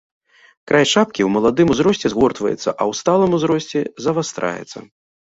Край шапкі ў маладым узросце згортваецца, а ў сталым узросце завастраецца.